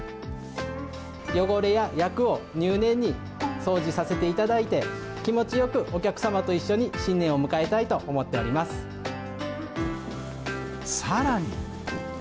汚れや厄を入念に掃除させていただいて、気持ちよくお客様と一緒に、新年を迎えたいと思ってさらに。